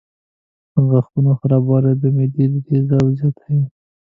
د غاښونو خرابوالی د معدې تیزابیت زیاتوي.